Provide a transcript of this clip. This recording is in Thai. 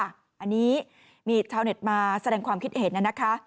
อันนี้มีชาวเน็ตมาแสดงความคิดเห็นนะคะ